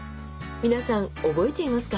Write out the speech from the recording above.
皆さん覚えていますか？